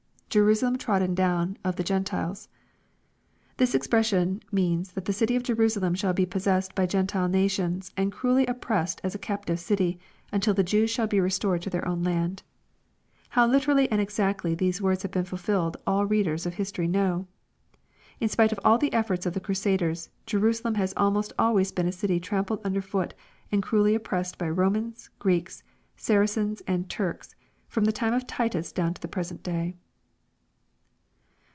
[Jerusalem trodden down of the Gentiles.] This expression means that the city of Jerusalem shall be possessed by Gentile nations, and cruelly oppressed as a captive city, until the Jews shall be re stored to their own land. How literally and exactly these words have been fulfilled all readers of history know. In spite of all the efibrts of the crusaders, Jerusalem has almost always been a city trampled under foot and cruelly oppressed, by Romans, Greeks, Saracens, and Turks, from the time of Titus down to the present day.